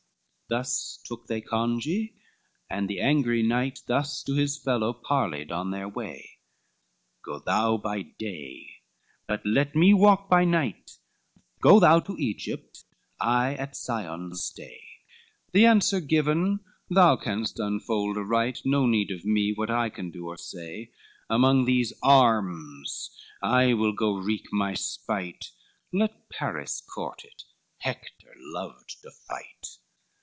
XCIV Thus took they congee, and the angry knight Thus to his fellow parleyed on the way, "Go thou by day, but let me walk by night, Go thou to Egypt, I at Sion stay, The answer given thou canst unfold aright, No need of me, what I can do or say, Among these arms I will go wreak my spite; Let Paris court it, Hector loved to fight."